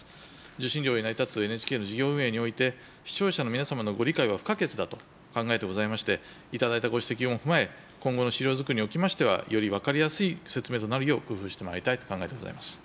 受信料で成り立つＮＨＫの事業運営において、視聴者の皆様のご理解は不可欠だと考えてございまして、頂いたご指摘も踏まえ、今後の資料作りにおきましては、より分かりやすい説明となるよう、工夫してまいりたいと考えてございます。